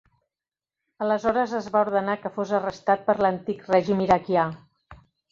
Aleshores es va ordenar que fos arrestat per l'antic règim iraquià.